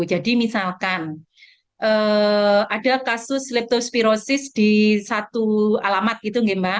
jadi misalkan ada kasus leptospirosis di satu alamat itu